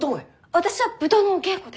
私は舞踏のお稽古で。